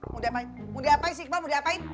muda apaan muda apaan sih iqbal muda apaan